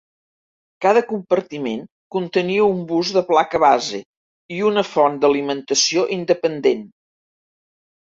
Cada compartiment contenia un bus de placa base i una font d'alimentació independent.